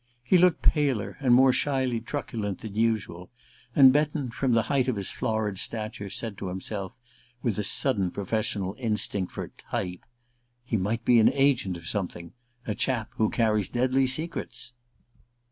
He looked paler and more shyly truculent than usual, and Betton, from the height of his florid stature, said to himself, with the sudden professional instinct for "type": "He might be an agent of something a chap who carries deadly secrets."